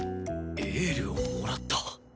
エールをもらった！